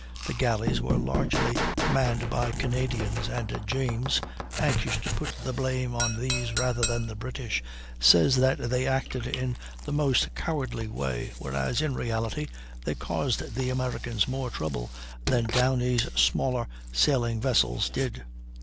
The gallies were largely manned by Canadians, and James, anxious to put the blame on these rather than the British, says that they acted in the most cowardly way, whereas in reality they caused the Americans more trouble than Downie's smaller sailing vessels did.